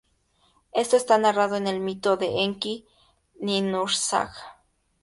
Esto está narrado en el Mito de Enki y Ninhursag.